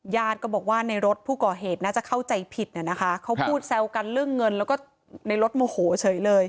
ญาติก็บอกว่าในรถผู้ก่อเหตุน่าจะเข้าใจผิดน่ะนะคะเขาพูดแซวกันเรื่องเงินแล้วก็ในรถโมโหเฉยเลย